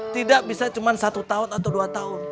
tidak bisa cuma satu tahun atau dua tahun